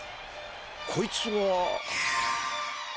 こいつは。